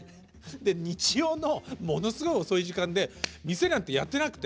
日曜のものすごい遅い時間で店なんてやってなくて。